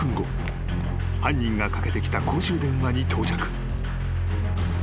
［犯人がかけてきた公衆電話に到着］